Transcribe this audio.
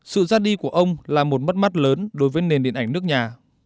sự ra đi của ông là một mất mắt lớn đối với nền điện ảnh nước nhà